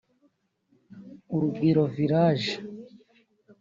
Urugwiro Village